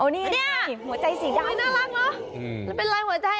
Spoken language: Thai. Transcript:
เออนี่หัวใจสีดำน่ารักเหรอเป็นอะไรหัวใจ